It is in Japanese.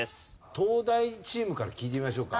東大チームから聞いてみましょうか。